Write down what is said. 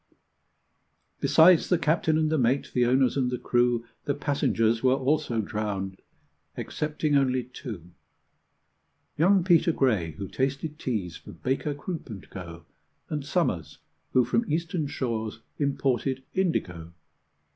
Besides the captain and the mate, the owners and the crew, The passengers were also drowned excepting only two: Young Peter Gray, who tasted teas for Baker, Croop, and Co., And Somers, who from Eastern shores imported indigo.